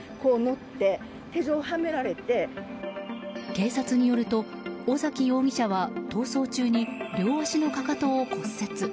警察によると尾崎容疑者は逃走中に両足のかかとを骨折。